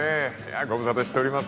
ごぶさたしております